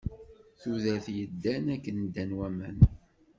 Tudert yeddan akken ddan waman.